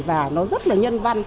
và nó rất là nhân văn